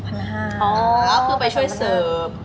อ๋อเพื่อไปช่วยเสิร์ฟ